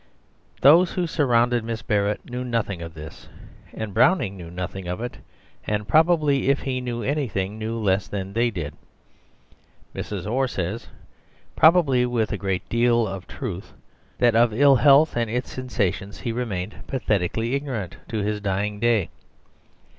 Those who surrounded Miss Barrett knew nothing of this, and Browning knew nothing of it; and probably if he knew anything, knew less than they did. Mrs. Orr says, probably with a great deal of truth, that of ill health and its sensations he remained "pathetically ignorant" to his dying day.